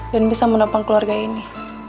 dan bisa menopang keluarga ini